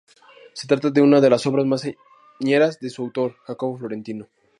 Se trata de una de las obras más señeras de su autor, Jacopo Florentino.